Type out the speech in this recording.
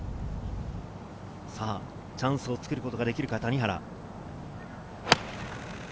チャンスを作ることができるか、谷原。